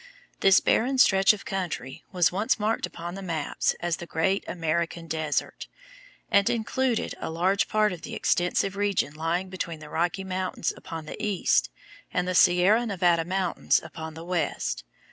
This barren stretch of country was once marked upon the maps as the Great American Desert, and included a large part of the extensive region lying between the Rocky Mountains upon the east and the Sierra Nevada Mountains upon the west.